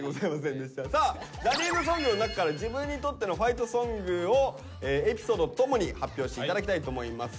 さあジャニーズソングの中から自分にとってのファイトソングをエピソードとともに発表して頂きたいと思います。